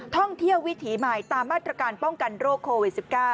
ท่องเที่ยววิถีใหม่ตามมาตรการป้องกันโรคโควิด๑๙